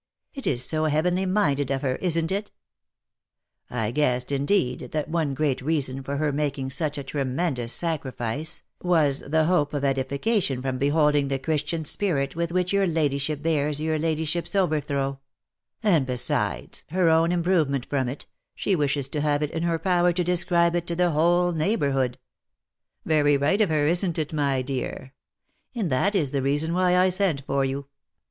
It is so heavenly minded of her, isn't it ? I guessed indeed that one great reason for her making such a tremendous sacrifice was the hope of edification from beholding the christian spirit with which your ladyship bears your ladyship's over throw ; and besides her own improvement from it, she wishes to have it in her power to describe it to the whole neighbourhood. Very right of her, isn't it, my dear? And that is the reason why I sent for you."